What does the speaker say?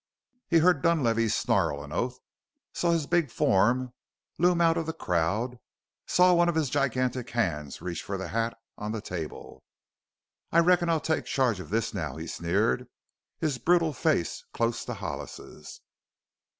He heard Dunlavey snarl an oath, saw his big form loom out of the crowd, saw one of his gigantic hands reach for the hat on the table. "I reckon I'll take charge of this now!" he sneered, his brutal face close to Hollis's.